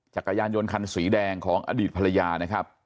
จักรยานยนต์คันสีแดงของอดีตภรรยานะครับ